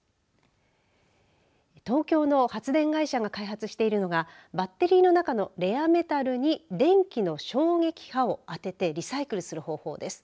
東京の発電会社が開発しているのがバッテリーの中のレアメタルに電気の衝撃波を当ててリサイクルする方法です。